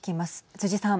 辻さん。